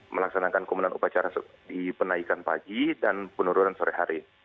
melaksanakan komunal upacara di penaikan pagi dan penurunan sore hari